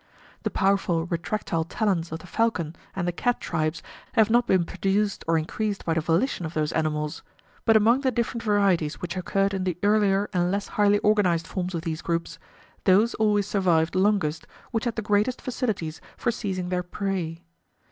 The powerful retractile talons of the falcon and the cat tribes have not been produced or increased by the volition of those animals; but among the different varieties which occurred in the earlier and less highly organized forms of these groups, those always survived longest which had the greatest facilities for seizing their prey.